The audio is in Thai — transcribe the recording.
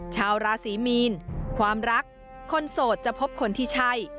ชาวราศีมีนความรักคนโสดจะพบคนที่ใช่